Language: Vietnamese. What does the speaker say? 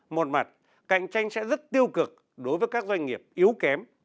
một mặt cạnh tranh sẽ rất tiêu cực đối với các doanh nghiệp yếu kém